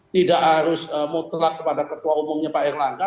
tidak harus mutlak kepada ketua umumnya pak erlangga